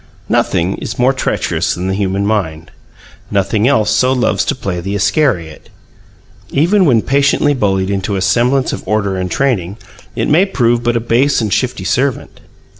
Nothing is more treacherous than the human mind; nothing else so loves to play the Iscariot. Even when patiently bullied into a semblance of order and training, it may prove but a base and shifty servant.